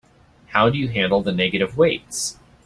How do you handle the negative weights?